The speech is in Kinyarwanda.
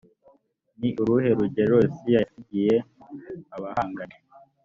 ni uruhe rugero yosiya yasigiye abahanganye